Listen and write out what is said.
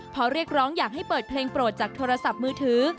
พอเรียกร้องอยากให้เปิดเพลงโปรดจากโทรศัพท์มือถือ